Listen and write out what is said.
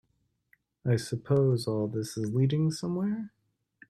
I suppose all this is leading somewhere?